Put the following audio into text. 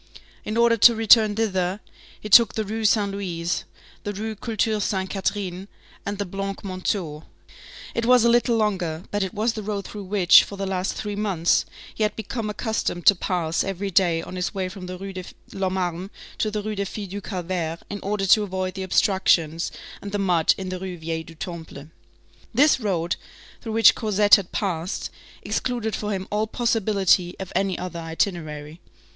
In order to return thither, he took the Rue Saint Louis, the Rue Culture Sainte Catherine, and the Blancs Manteaux; it was a little longer, but it was the road through which, for the last three months, he had become accustomed to pass every day on his way from the Rue de l'Homme Armé to the Rue des Filles du Calvaire, in order to avoid the obstructions and the mud in the Rue Vieille du Temple. This road, through which Cosette had passed, excluded for him all possibility of any other itinerary.